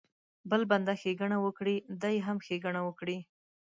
بل بنده ښېګڼه وکړي دی هم ښېګڼه وکړي.